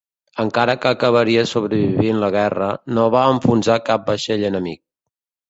Encara que acabaria sobrevivint la guerra, no va enfonsar cap vaixell enemic.